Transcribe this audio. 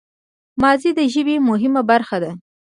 ماضي د ژبي مهمه برخه ده.